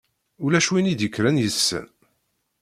Ulac win i d-ikkren yessen.